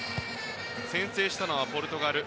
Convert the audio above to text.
先制したのはポルトガル。